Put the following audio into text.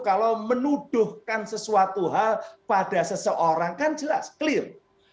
kalau menuduhkan sesuatu hal pada seseorang kan jelas clear